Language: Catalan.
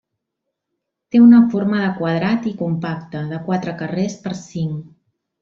Té una forma de quadrat i compacte, de quatre carrers per cinc.